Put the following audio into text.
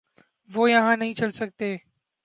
وہ یہاں نہیں چل سکتے۔